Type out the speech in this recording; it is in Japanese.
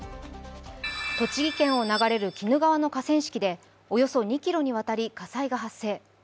栃木県を流れる鬼怒川の河川敷でおよそ２ｋｍにわたり火災が発生。